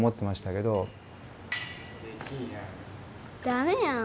だめやん。